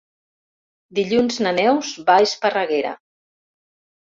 Dilluns na Neus va a Esparreguera.